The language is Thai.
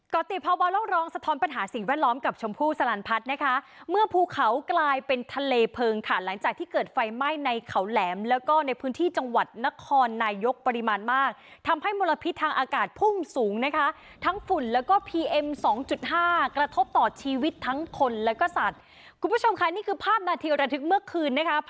ก็ติดภาวะโลกร้องสะท้อนปัญหาสิ่งแวดล้อมกับชมพู่สลันพัฒน์นะคะเมื่อภูเขากลายเป็นทะเลเพลิงค่ะหลังจากที่เกิดไฟไหม้ในเขาแหลมแล้วก็ในพื้นที่จังหวัดนครนายกปริมาณมากทำให้มลพิษทางอากาศพุ่งสูงนะคะทั้งฝุ่นแล้วก็พีเอ็มสองจุดห้ากระทบต่อชีวิตทั้งคนแล้วก็สัตว์คุณผู้ชมค่ะนี่คือภาพนาทีระทึกเมื่อคืนนะคะ